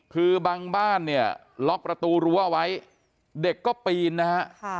คือบางบ้านเนี่ยล็อกประตูรั้วเอาไว้เด็กก็ปีนนะฮะ